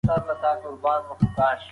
موږ غواړو چې ټول ماشومان لوستي وي.